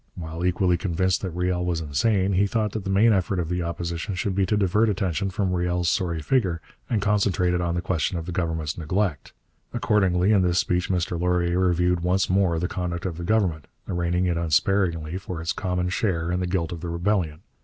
While equally convinced that Riel was insane, he thought that the main effort of the Opposition should be to divert attention from Riel's sorry figure and concentrate it on the question of the Government's neglect. Accordingly in this speech Mr Laurier reviewed once more the conduct of the Government, arraigning it unsparingly for its common share in the guilt of the rebellion.